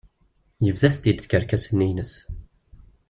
Yebda-tent-id tkerkas-nni ines.